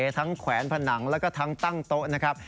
แขวนผนังแล้วก็ทั้งตั้งโต๊ะนะครับ